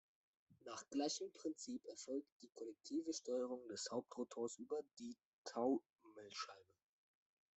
Nach gleichem Prinzip erfolgt die kollektive Steuerung des Hauptrotors über die Taumelscheibe.